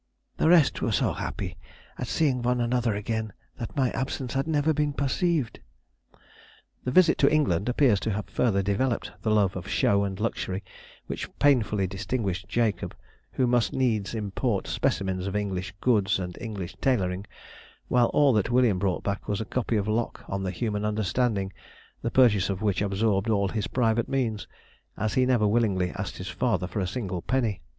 The rest were so happy ... at seeing one another again, that my absence had never been perceived." [Sidenote: 1756 1757. Early Recollections.] The visit to England appears to have further developed the love of show and luxury which painfully distinguished Jacob, who must needs import specimens of English goods and English tailoring, while all that William brought back was a copy of Locke on the Human Understanding, the purchase of which absorbed all his private means, as he never willingly asked his father for a single penny.